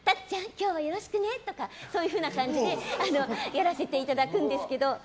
今日はよろしくねとかそういうふうな感じでやらせていただくんですけど。